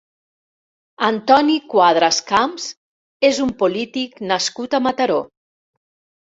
Antoni Cuadras Camps és un polític nascut a Mataró.